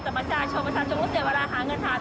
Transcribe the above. แต่ประชาชนมันเสียเวลาหาเงินหาทอง